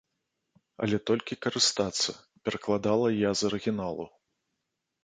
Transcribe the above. Але толькі карыстацца, перакладала я з арыгіналу.